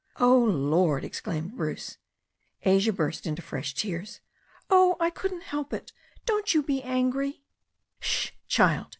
"Oh, Lord!" exclaimed Bruce. Asia burst into fresh tears. "Oh, I couldn't help it. Don't you be angry '* "Sh ! child."